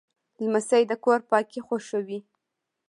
لمسی د کور پاکي خوښوي.